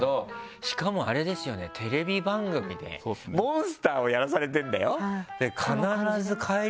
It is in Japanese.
しかもあれですよねテレビ番組でモンスターをやらされてるんだよ。